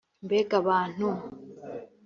Mbega abantu